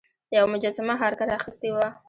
یوه مجسمه هارکر اخیستې وه.